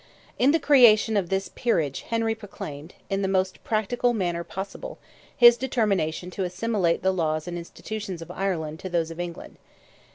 In the creation of this Peerage Henry proclaimed, in the most practical manner possible, his determination to assimilate the laws and institutions of Ireland to those of England.